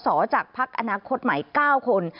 อจากพักอนาคตใหม่๙คน